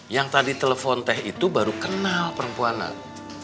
yang tadi telepon teh itu baru kenal perempuan neng